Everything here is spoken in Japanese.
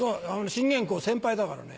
信玄公先輩だからね。